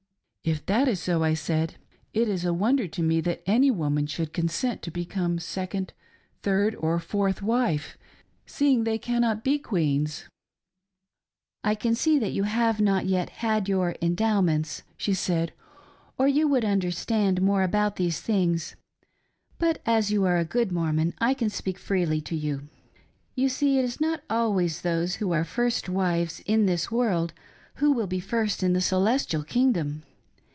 ." If that is so," I said, " it is a wonder to me that any woman should consent to become second, third, or fourth wife — seeing they cannot be queens." " I can see that you have not yet had your ' Endowments,' " she said, " or you would understand more about these things, but as you are a good Mormon I can speak freely to yoa HOW A WOMAN CAN BECOME A QUEEN. 261 You see it is not always those who are first wives in this world who will be first in the celestial kingdom.